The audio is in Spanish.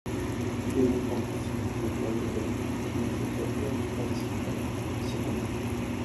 Pide confesión, y el Padre Veritas finge ser sacerdote para simular el sacramento.